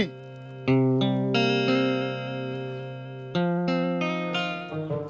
nih bang udin